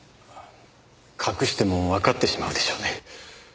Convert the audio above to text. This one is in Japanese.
隠してもわかってしまうでしょうね。